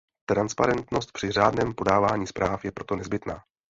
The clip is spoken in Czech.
Transparentnost při řádném podávání zpráv je proto nezbytná.